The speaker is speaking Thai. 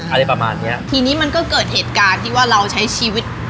อะไรประมาณเนี้ยทีนี้มันก็เกิดเหตุการณ์ที่ว่าเราใช้ชีวิต